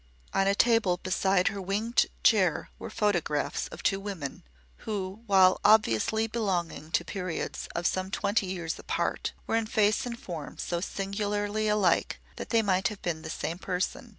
On a table beside her winged chair were photographs of two women, who, while obviously belonging to periods of some twenty years apart, were in face and form so singularly alike that they might have been the same person.